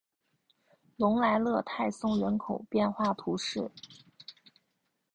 隆莱勒泰松人口变化图示